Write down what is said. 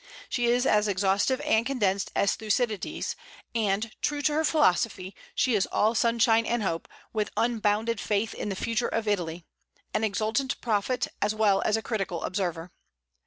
She is as exhaustive and condensed as Thucydides; and, true to her philosophy, she is all sunshine and hope, with unbounded faith in the future of Italy, an exultant prophet as well as a critical observer.